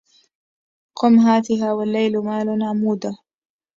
قم هاتها والليل مال عموده